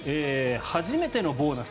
初めてのボーナス。